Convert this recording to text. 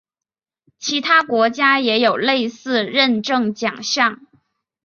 其他国家也有类似认证奖项。